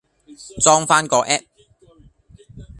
裝返個 app